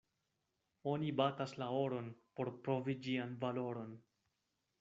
Oni batas la oron, por provi ĝian valoron.